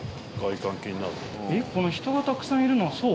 人がたくさんいるのは、そう？